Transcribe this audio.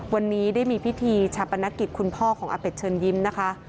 วันนี้ได้มีพิธีชาปนกิจคุณพ่อของอาเป็ดเชิญยิ้มนะคะ